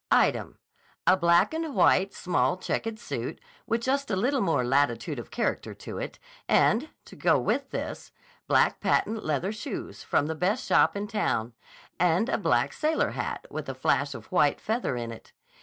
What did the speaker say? Item: A black and white small checked suit with just a little more latitude of character to it, and, to go with this, black patent leather shoes from the best shop in town, and a black sailor hat, with a flash of white feather in it.